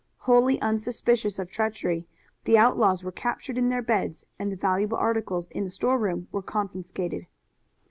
Wholly unsuspicious of treachery, the outlaws were captured in their beds and the valuable articles in the storeroom were confiscated.